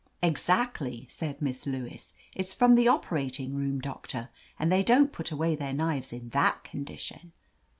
"Exactly," said Miss Lewis. "It's from the operating room, Doctor, and they don't put away their knives in that condition."